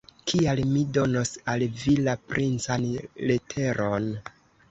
Kial mi donos al vi la princan leteron?